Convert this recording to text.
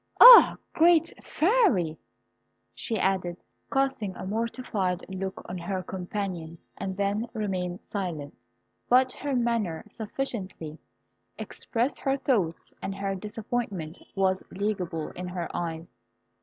Ah, great Fairy!" she added, casting a mortified look on her companion, and then remained silent; but her manner sufficiently expressed her thoughts, and her disappointment was legible in her eyes.